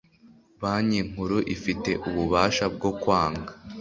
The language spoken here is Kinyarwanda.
banki nkuru ifite ububasha bwo kwanga